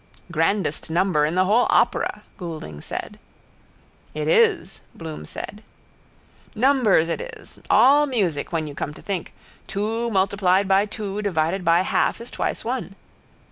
—Grandest number in the whole opera, Goulding said. —It is, Bloom said. Numbers it is. All music when you come to think. Two multiplied by two divided by half is twice one.